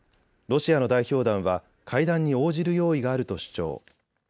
ロシアの代表団は会談に応じる用意があると主張。